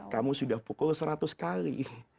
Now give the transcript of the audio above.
kamu sudah pukul seratus kali